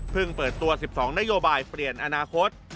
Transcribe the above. เปิดตัว๑๒นโยบายเปลี่ยนอนาคต